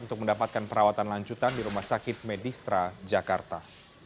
untuk mendapatkan perawatan lanjutan di rumah sakit medistra jakarta